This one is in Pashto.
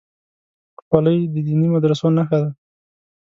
خولۍ د دیني مدرسو نښه ده.